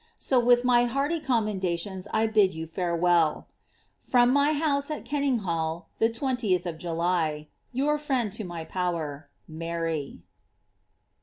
So with my hearty commendations 1 bid you farewell. — From my house at Kenninghall, the 20th of July. " Toar Ariend to my power, ^ MAax."